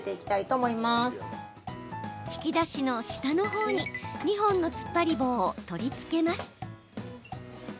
引き出しの下のほうに２本のつっぱり棒を取り付けます。